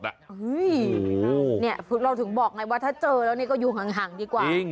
เราถึงบอกไงว่าถ้าเจอแล้วนี่ก็อยู่ห่างดีกว่า